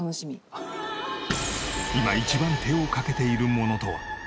今一番手をかけているものとは？